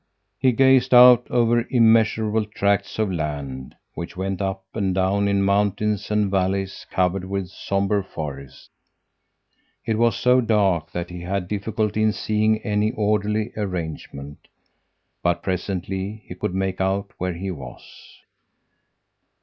He gazed out over immeasurable tracts of land, which went up and down in mountains and valleys covered with sombre forests. It was so dark that he had difficulty in seeing any orderly arrangement; but presently he could make out where he was.